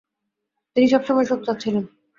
তিনি সবসময় সোচ্চার ছিলেন।